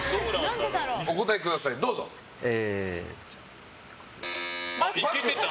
お答えください、どうぞ。×！